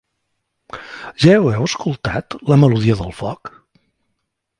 Ja heu escoltat ‘La melodia del foc’?